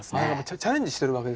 チャレンジしてるわけですよね。